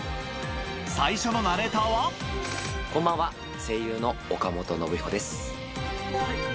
最初のナレーターはこんばんは声優の岡本信彦です。